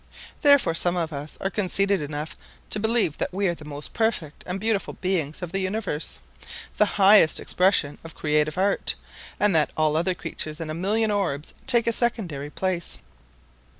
Therefore some of us are conceited enough to believe that we are the most perfect and beautiful beings of the universe, the highest expression of creative art, and that all other creatures in a million orbs take a secondary place.